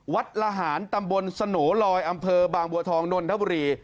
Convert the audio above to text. ละหารตำบลสโหนลอยอำเภอบางบัวทองนนทบุรี